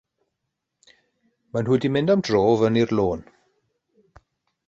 Mae nhw 'di mynd am dro fyny'r lôn.